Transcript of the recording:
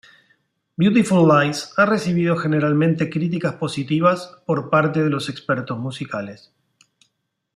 Beautiful Lies ha recibido generalmente críticas positivas por parte de los expertos musicales.